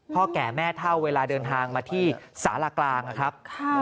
แก่แม่เท่าเวลาเดินทางมาที่สารากลางนะครับ